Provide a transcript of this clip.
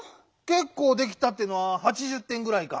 「けっこうできた」っていうのは８０てんぐらいか？